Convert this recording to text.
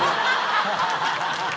ハハハハ！